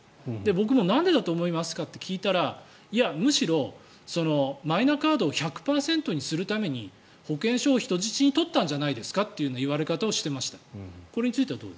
僕も、なんでだと思いますかと聞いたらむしろマイナカードを１００％にするために保険証を人質に取ったんじゃないですかという言われ方をしていました。